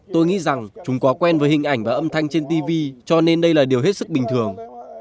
tôi nghĩ rằng chúng có quen với hình ảnh và âm thanh trên tv cho nên đây là điều hết sức bình thường